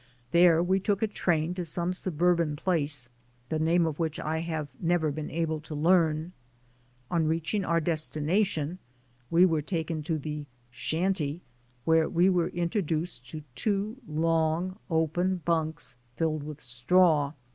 There we took a train to some suburban place, the name of which I have never been able to learn. On reaching our destination we were taken to the "shantee" where we were introduced to two long open bunks filled with straw.